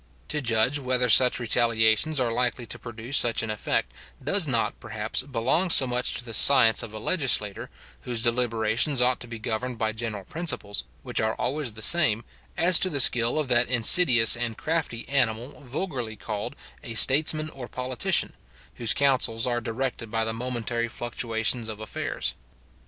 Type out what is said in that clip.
To judge whether such retaliations are likely to produce such an effect, does not, perhaps, belong so much to the science of a legislator, whose deliberations ought to be governed by general principles, which are always the same, as to the skill of that insidious and crafty animal vulgarly called a statesman or politician, whose councils are directed by the momentary fluctuations of affairs.